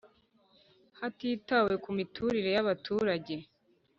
Hatitawe ku miturire y abaturage